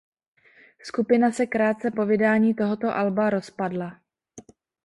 Skupina se krátce po vydání tohoto alba rozpadla.